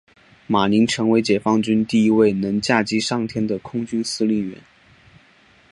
马宁成为解放军第一位能驾机上天的空军司令员。